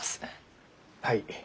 はい。